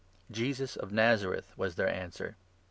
" "Jesus of Nazareth," was their answer.